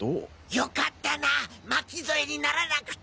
よかったな巻き添えにならなくて。